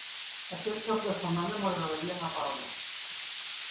Aquest cap de setmana m'agradaria anar a Palma.